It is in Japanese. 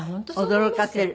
驚かせる。